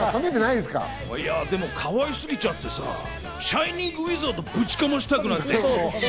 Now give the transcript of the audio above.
でもかわいすぎちゃってさ、シャイニング・ウィザードをブチかましたくなる。